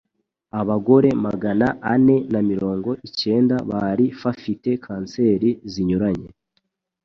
Abagore Magana ane mirongo icyenda bari fafite kanseri zinyuranye